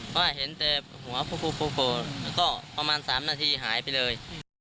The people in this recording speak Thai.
เพราะว่าเห็นแต่หัวโผล่แล้วก็ประมาณ๓นาทีหายไปเลย